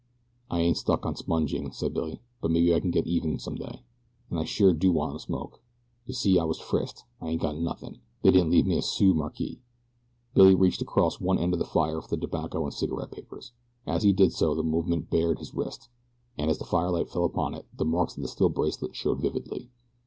"I ain't stuck on sponging," said Billy; "but maybe I can get even some day, and I sure do want a smoke. You see I was frisked. I ain't got nothin' they didn't leave me a sou markee." Billy reached across one end of the fire for the tobacco and cigarette papers. As he did so the movement bared his wrist, and as the firelight fell upon it the marks of the steel bracelet showed vividly.